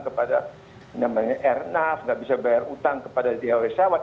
kepada namanya airnaf enggak bisa bayar utang kepada dlw sawat